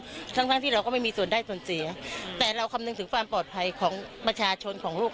คือตอนที่เขาทุบเนี่ยเขามีปัญหากับชาวบ้านอยู่